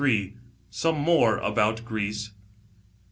SOME MORE ABOUT GREECE.